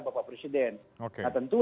bapak presiden nah tentu